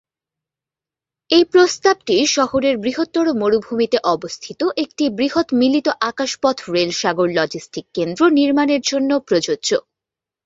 এই প্রস্তাবটি শহরের বৃহত্তর মরুভূমিতে অবস্থিত একটি বৃহৎ মিলিত আকাশ পথ-রেল-সাগর লজিস্টিক কেন্দ্র নির্মাণের জন্য প্রযোজ্য।